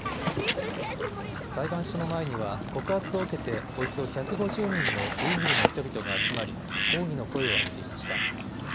裁判所の前には告発を受けておよそ１５０人のウイグルの人々が集まり抗議の声を上げていました。